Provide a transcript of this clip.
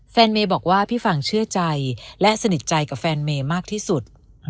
เมย์บอกว่าพี่ฟังเชื่อใจและสนิทใจกับแฟนเมย์มากที่สุด